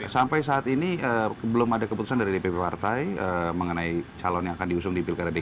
sampai saat ini belum ada keputusan dari dpp partai mengenai calon yang akan diusung di pilkada dki